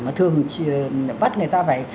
mà thường bắt người ta phải